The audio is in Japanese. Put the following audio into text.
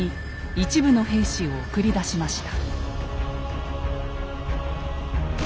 一部の兵士を送り出しました。